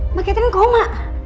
mbak ketri koma